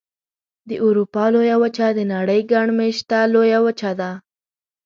د اروپا لویه وچه د نړۍ ګڼ مېشته لویه وچه ده.